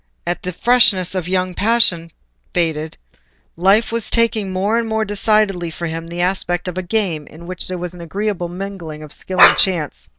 As the freshness of young passion faded, life was taking more and more decidedly for him the aspect of a game in which there was an agreeable mingling of skill and chance.